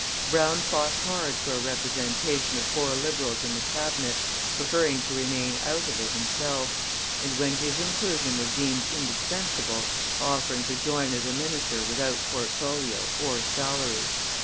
Brown fought hard for a representation of four Liberals in the Cabinet, preferring to remain out of it himself, and, when his inclusion was deemed indispensable, offering to join as a minister without portfolio or salary.